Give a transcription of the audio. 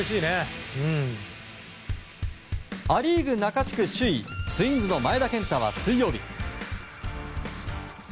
ア・リーグ中地区首位ツインズの前田健太は水曜日。